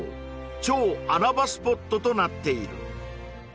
超穴場スポットとなっている